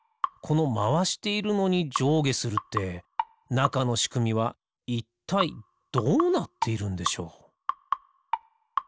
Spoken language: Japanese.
このまわしているのにじょうげするってなかのしくみはいったいどうなっているんでしょう？